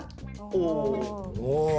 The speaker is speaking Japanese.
おお。